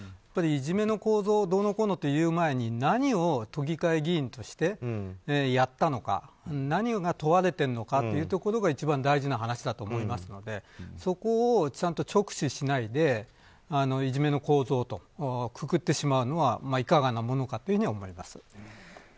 いじめの構造どうのこうのと言う前に何を都議会議員としてやったのか何が問われているのかが一番大事な話だと思いますのでそこをちゃんと直視しないでいじめの構造とくくってしまうのはいかがなものかと思います。